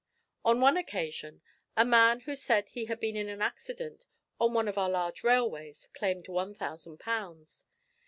On one occasion, a man who said he had been in an accident on one of our large railways, claimed 1000 pounds.